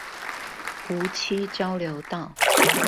梧棲交流道